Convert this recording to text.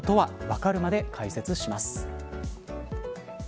わかるまで解説します。